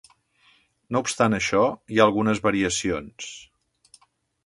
No obstant això, hi ha algunes variacions.